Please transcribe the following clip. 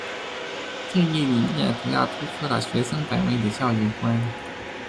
这一理念主要突出了学生本位的教育观。